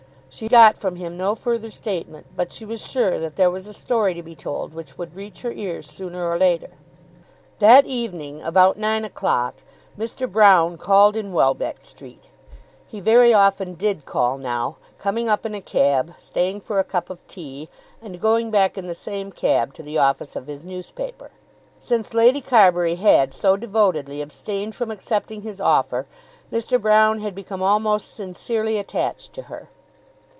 She got from him no further statement, but she was sure that there was a story to be told which would reach her ears sooner or later. That evening, about nine o'clock, Mr. Broune called in Welbeck Street. He very often did call now, coming up in a cab, staying for a cup of tea, and going back in the same cab to the office of his newspaper. Since Lady Carbury had, so devotedly, abstained from accepting his offer, Mr. Broune had become almost sincerely attached to her.